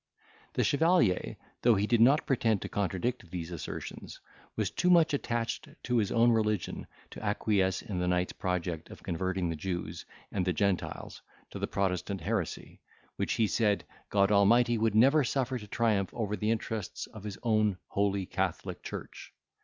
The chevalier, though he did not pretend to contradict these assertions, was too much attached to his own religion to acquiesce in the knight's project of converting the Jews and the Gentiles to the Protestant heresy, which, he said, God Almighty would never suffer to triumph over the interests of his own Holy Catholic Church.